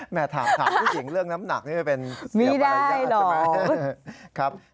แม่ถามผู้หญิงเรื่องน้ำหนักนี่ไม่เป็นเสียบารรยาตร